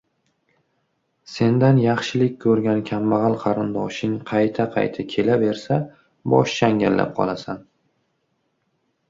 – sendan yaxshilik ko‘rgan kambag‘al qarindoshing qayta-qayta kelaversa bosh changallab qolasan.